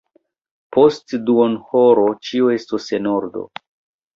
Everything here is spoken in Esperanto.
Post duonhoro ĉio estos en ordo.